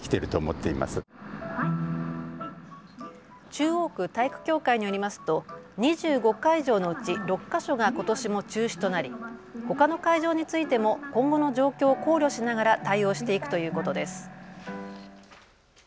中央区体育協会によりますと２５会場のうち６箇所がことしも中止となりほかの会場についても今後の状況を考慮しながら対応していくということです。